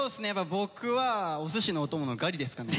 僕はおすしのお供のガリですかね。